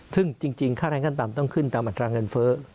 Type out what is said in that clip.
ซึ่งจริงค่าแรงขั้นต่ำต้องขึ้นตามอัตราเงินเฟ้อ